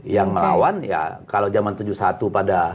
yang melawan ya kalau zaman tujuh puluh satu pada